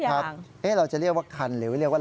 ก็คือจักรยานเฮลิคอปเตอร์๑ลำ